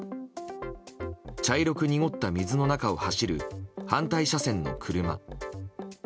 茶色く濁った水の中を走る反対車線の車。